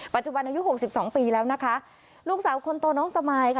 ปัจจุบันอายุหกสิบสองปีแล้วนะคะลูกสาวคนโตน้องสมายค่ะ